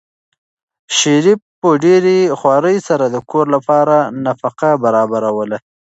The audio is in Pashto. شریف په ډېرې خوارۍ سره د کور لپاره نفقه برابروله.